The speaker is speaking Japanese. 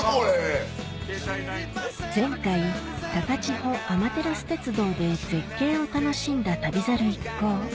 前回高千穂あまてらす鉄道で絶景を楽しんだ旅猿一行